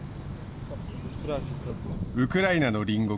ウクライナの隣国